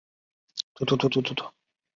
是一款由特库摩公司制作的解谜类游戏。